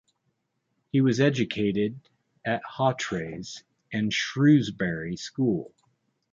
He was educated at Hawtreys and Shrewsbury School.